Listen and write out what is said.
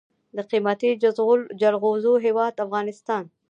د قیمتي جلغوزیو هیواد افغانستان.